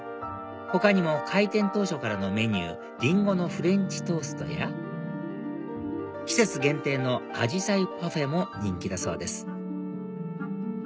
他にも開店当初からのメニューリンゴのフレンチトーストや季節限定の紫陽花パフェも人気だそうです